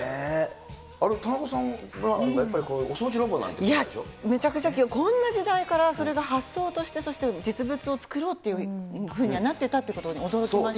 あれ、田中さんはやいや、めちゃくちゃ、こんな時代から、それが発想として、そして実物を作ろうっていうふうにはなってたってことに、驚きました。